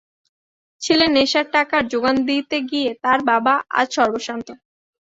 ছেলের নেশার টাকার জোগান দিতে গিয়ে তাঁর বাবা আজ সর্বস্বান্ত।